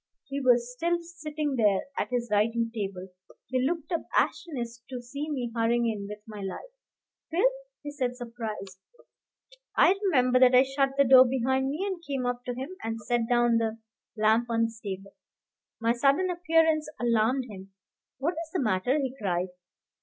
He was still sitting there at his writing table; he looked up astonished to see me hurrying in with my light. "Phil!" he said, surprised. I remember that I shut the door behind me, and came up to him, and set down the lamp on his table. My sudden appearance alarmed him. "What is the matter?" he cried.